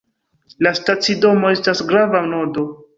La stacidomo estas grava nodo.